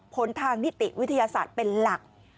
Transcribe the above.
ผลทางนิติวิทยาศาสตร์เป็นหลัก